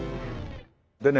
でね